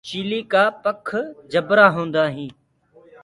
چيِلي ڪآ پک جبرآ هيندآ هينٚ۔